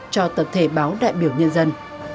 cho tập thể báo đại biểu nhân dân